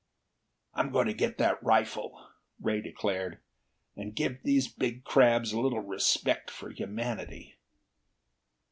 "I'm going to get that rifle," Ray declared, "and give these big crabs a little respect for humanity!"